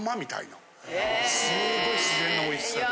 すごい自然な美味しさで。